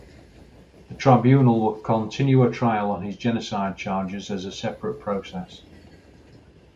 The tribunal will continue a trial on his genocide charges as a separate process.